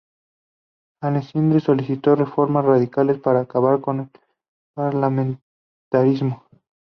Alessandri solicitó reformas radicales para acabar con el parlamentarismo.